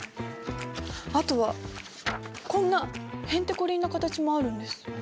あとはこんなへんてこりんな形もあるんです。